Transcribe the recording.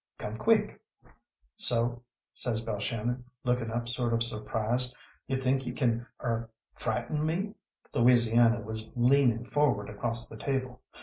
Come quick!" "So," says Balshannon, looking up sort of surprised, "you think you can er frighten me?" Louisiana was leaning forward across the table.